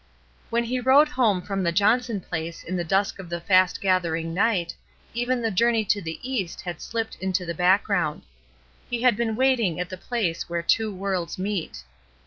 When he rode home from the Johnson place in the dusk of the fast gathering night, even the journey to the East had slipped into the backgroimdta^He had been waiting at the place where two worlds meet.